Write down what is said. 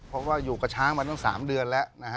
เพราะว่าอยู่กับช้างมาตั้ง๓เดือนแล้วนะฮะ